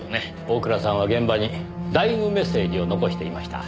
大倉さんは現場にダイイングメッセージを残していました。